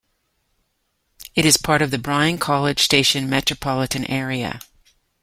It is part of the Bryan-College Station metropolitan area.